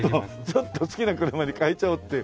ちょっと好きな車に変えちゃおうって。